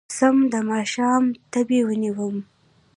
سم د ماښامه تبې ونيومه